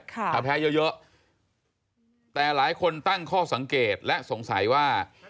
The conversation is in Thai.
ถ้าแพ้เยอะเยอะแต่หลายคนตั้งข้อสังเกตและสงสัยว่า